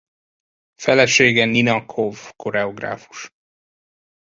Felesége Nina Kov koreográfus.